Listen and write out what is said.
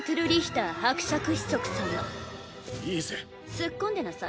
すっ込んでなさい。